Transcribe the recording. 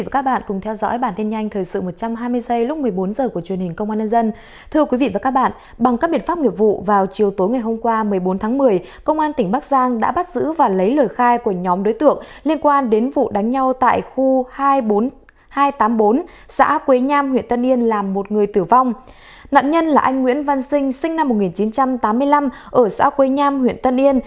các bạn hãy đăng ký kênh để ủng hộ kênh của chúng mình nhé